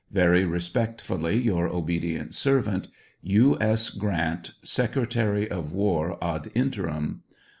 Very respectfully, your obedient servant, U. S. GRANT, Secretary of War ad interim.